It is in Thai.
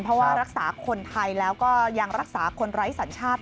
เพราะว่ารักษาคนไทยแล้วก็ยังรักษาคนไร้สัญชาติ